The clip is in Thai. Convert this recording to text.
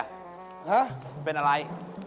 ฮะเป็นอะไร